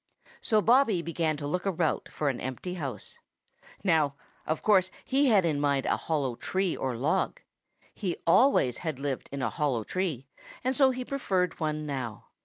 So Bobby began to look about for an empty house. Now, of course, he had in mind a hollow tree or log. He always had lived in a hollow tree, and so he preferred one now.